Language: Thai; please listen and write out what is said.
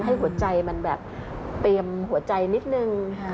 ให้หัวใจมันแบบเตรียมหัวใจนิดนึงค่ะ